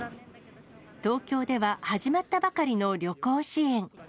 東京では始まったばかりの旅行支援。